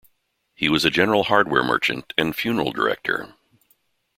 He was a general hardware merchant and funeral director.